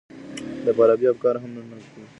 د فارابي افکار نن هم ارزښت لري.